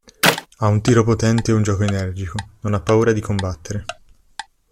Ha un tiro potente e un gioco energico; non ha paura di combattere.